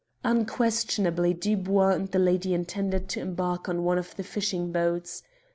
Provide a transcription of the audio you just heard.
Unquestionably Dubois and the lady intended to embark on one of the fishing boats.